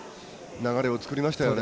流れを作りましたよね。